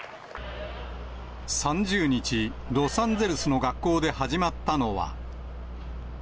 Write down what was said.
３０日、ロサンゼルスの学校で始まったのは。